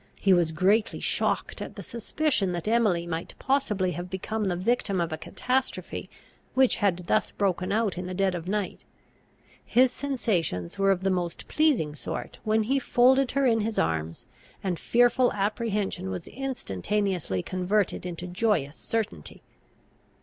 He was greatly shocked at the suspicion that Emily might possibly have become the victim of a catastrophe which had thus broken out in the dead of night. His sensations were of the most pleasing sort when he folded her in his arms, and fearful apprehension was instantaneously converted into joyous certainty.